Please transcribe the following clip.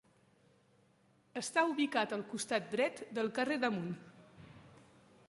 Està ubicat al costat dret del carrer d’Amunt.